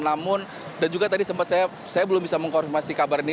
namun dan juga tadi sempat saya belum bisa mengkonfirmasi kabar ini